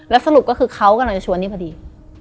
สรุปก็คือเขากำลังจะชวนนี้พอดี